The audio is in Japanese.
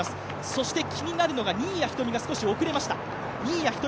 そして、気になるのが新谷仁美が今、少し遅れました。